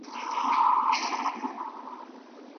که ته د ملاتړي کاکا له نشتون سره مخ سوې.